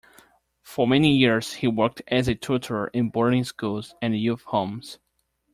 For many years he worked as a tutor in boarding schools and youth homes.